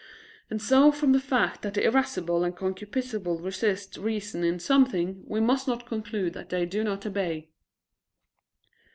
And so from the fact that the irascible and concupiscible resist reason in something, we must not conclude that they do not obey.